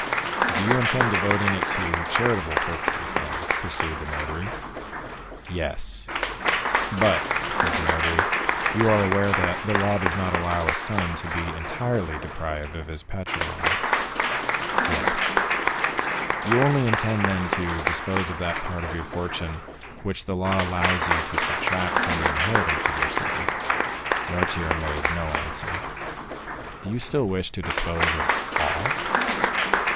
"Do you intend devoting it to charitable purposes, then?" pursued the notary. "Yes." "But," said the notary, "you are aware that the law does not allow a son to be entirely deprived of his patrimony?" "Yes." "You only intend, then, to dispose of that part of your fortune which the law allows you to subtract from the inheritance of your son?" Noirtier made no answer. "Do you still wish to dispose of all?"